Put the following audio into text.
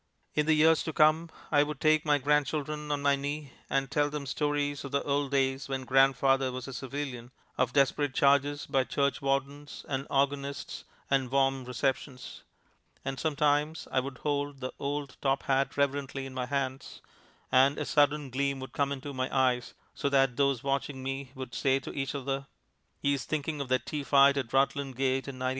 In the years to come I would take my grandchildren on my knee and tell them stories of the old days when grandfather was a civilian, of desperate charges by church wardens and organists, and warm receptions; and sometimes I would hold the old top hat reverently in my hands, and a sudden gleam would come into my eyes, so that those watching me would say to each other, "He is thinking of that tea fight at Rutland Gate in 1912."